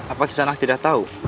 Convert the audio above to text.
apa kisah anak tidak tahu